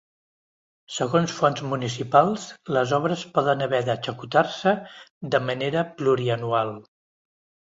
Segons fonts municipals, les obres poden haver d’executar-se de manera plurianual.